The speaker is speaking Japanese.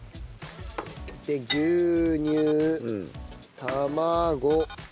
で牛乳卵。